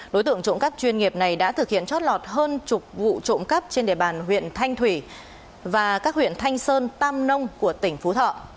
đối tượng trộm cắp chuyên nghiệp này đã thực hiện chót lọt hơn chục vụ trộm cắp trên địa bàn huyện thanh thủy và các huyện thanh sơn tam nông của tỉnh phú thọ